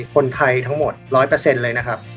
คนไทยทั้งหมด๑๐๐เลยนะครับ